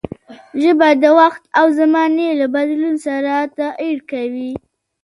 ژبه د وخت او زمانې له بدلون سره تغير کوي.